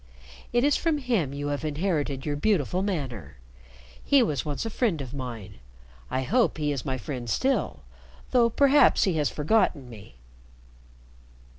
"It is from him you have inherited your beautiful manner. He was once a friend of mine. I hope he is my friend still, though perhaps he has forgotten me."